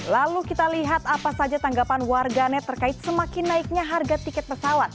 lalu kita lihat apa saja tanggapan warganet terkait semakin naiknya harga tiket pesawat